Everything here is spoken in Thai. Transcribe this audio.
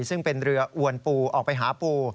ซึ่งเป็นเรืออวนปูออกไปหาปู